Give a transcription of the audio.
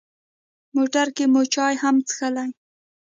موټر کې مو چای هم څښلې.